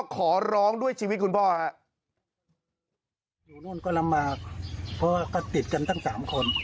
ขอร้องด้วยชีวีคุณพ่อค่ะ